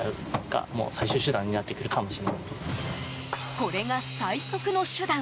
これが最速の手段。